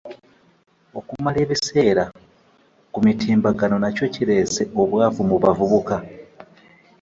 Okumala ebiseera ku mitimbagano nakyo kireese obwavu mu bavubuka.